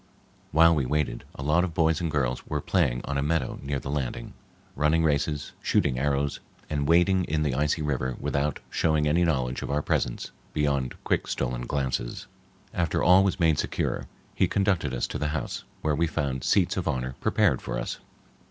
While we waited, a lot of boys and girls were playing on a meadow near the landing—running races, shooting arrows, and wading in the icy river without showing any knowledge of our presence beyond quick stolen glances. After all was made secure, he conducted us to the house, where we found seats of honor prepared for us.